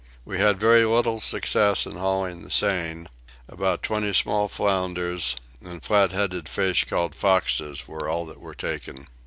We had very little success in hauling the seine; about twenty small flounders, and flat headed fish called foxes were all that were taken.